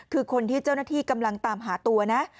คือคนที่เจ้าหน้าที่กำลังตามหาตัวนะ